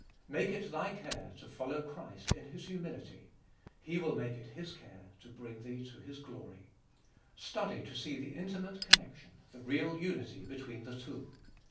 Make it thy care to follow Christ in His humility ; He will matte it His care to bring thee to His glory. 4. Study to see the intimate connection, the real unity between the two.